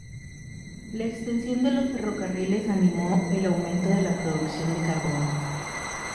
La extensión de los ferrocarriles animó el aumento de la producción de carbón.